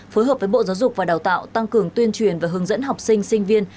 phối hợp với bộ giáo dục và đào tạo tăng cường tuyên truyền và hướng dẫn học sinh sinh viên